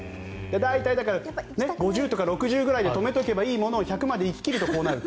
大体、５０とか６０くらいで止めておけばいいものを１００までいくとこうなると。